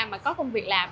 mà có công việc làm